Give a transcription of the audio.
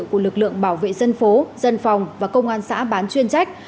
của lực lượng bảo vệ dân phố dân phòng và công an xã bán chuyên trách